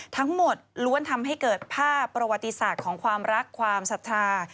ล้วนทำให้เกิดภาพประวัติศาสตร์ของความรักความศรัทธา